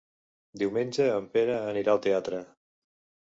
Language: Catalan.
Diumenge en Pere anirà al teatre.